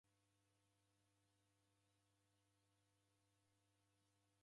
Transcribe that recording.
W'andu w'engi w'idimagha kupata kazi.